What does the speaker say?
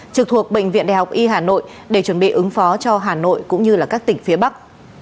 trực thuộc bệnh viện đại học y hà nội để chuẩn bị ứng phó cho hà nội cũng như các tỉnh phía bắc